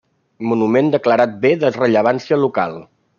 Monument declarat Bé de Rellevància Local.